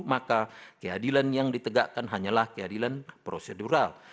maka keadilan yang ditegakkan hanyalah keadilan prosedural